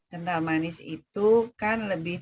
kental manis itu kan lebih